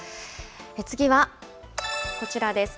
次はこちらです。